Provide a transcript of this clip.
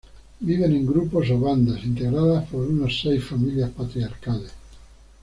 Viven en grupos o "bandas" integradas por unas seis familias patriarcales.